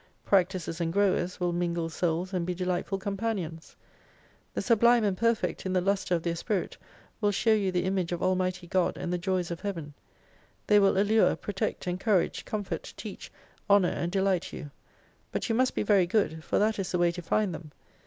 Practicers and growers will mingle souls and be delightful companions. The sublime and per fect, in the lustre of their spirit, will show you the Image of Almighty God and the joys of Heaven. They will allure, protect, encourage, comfort, teach, honour and delight you. But you must be very good, for that is the way to find them.